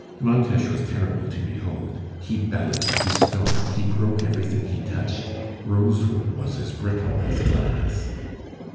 Montes was terrible to behold. He bellowed, he stormed; he broke everything he touched; rosewood was as brittle as glass.